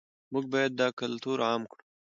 موږ باید دا کلتور عام کړو.